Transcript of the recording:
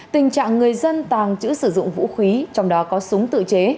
tình trạng người dân tàng trữ sử dụng vũ khí trong đó có súng tự chế